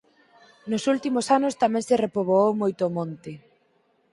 Nos últimos anos tamén se repoboou moito o monte.